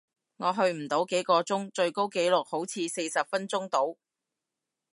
我去唔到幾個鐘，最高紀錄好似四十分鐘度